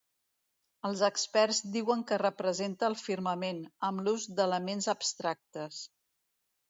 Els experts diuen que representa el firmament, amb l'ús d'elements abstractes.